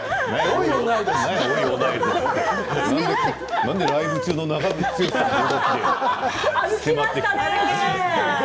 なんでライブ中の長渕さんみたいに迫ってきたの？